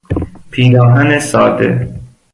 پیراهن ساده